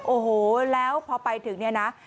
โอ้โหแล้วพอไปถึงเนี่ยนะ